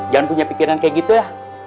jangan punya pikiran kayak gitu ya